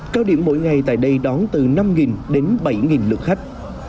cao điểm mỗi ngày tại đây đón từ năm đến bảy lượt khách